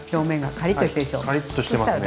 カリッとしてますね。